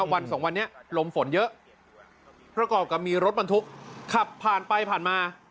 วันสองวันนี้ลมฝนเยอะประกอบกับมีรถบรรทุกขับผ่านไปผ่านมา